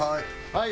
はい。